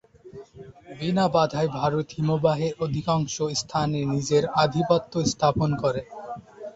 বিনা বাধায় ভারত হিমবাহের অধিকাংশ স্থানে নিজের আধিপত্য স্থাপন করে।